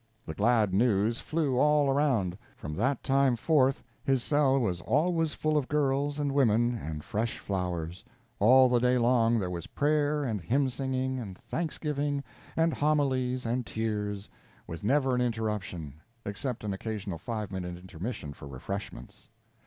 The glad news flew all around. From that time forth his cell was always full of girls and women and fresh flowers; all the day long there was prayer, and hymn singing, and thanksgiving, and homilies, and tears, with never an interruption, except an occasional five minute intermission for refreshments.